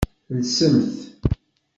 Lsemt.